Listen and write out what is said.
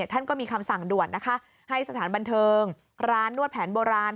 ท่านก็มีคำสั่งด่วนนะคะให้สถานบันเทิงร้านนวดแผนโบราณ